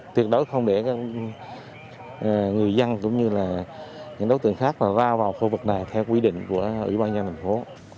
tuyệt đối không để người dân cũng như là những đối tượng khác mà ra vào khu vực này theo quy định của ủy ban nhân thành phố